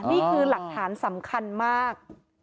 นี่คือหลักฐานสำคัญมาก